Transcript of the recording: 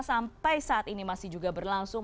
sampai saat ini masih juga berlangsung